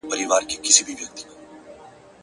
چت يم نړېږمه د عمر چي آخره ده اوس’